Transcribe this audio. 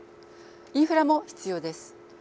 インフラも必要です。